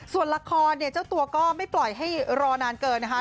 ส่วนละครเนี่ยเจ้าตัวก็ไม่ปล่อยให้รอนานเกินนะคะ